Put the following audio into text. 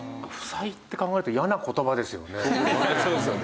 そうですよね。